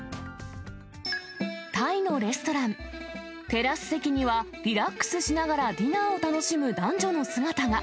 テラス席には、リラックスしながらディナーを楽しむ男女の姿が。